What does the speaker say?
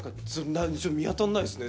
見当たらないですね。